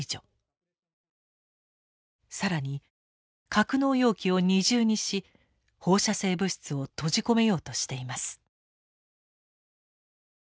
更に格納容器を二重にし放射性物質を閉じ込めようとしています。